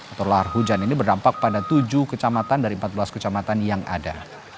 atau lahar hujan ini berdampak pada tujuh kecamatan dari empat belas kecamatan yang ada